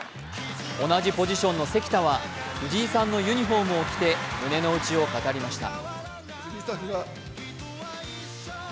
同じポジションの関田は、藤井さんのユニフォームを着て、胸の内を語りました。